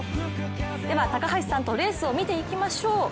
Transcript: では高橋さんとレースを見ていきましょう。